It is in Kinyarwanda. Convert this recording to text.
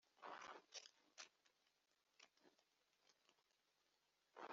harimo n’ibijyanye n’ababa mu kigo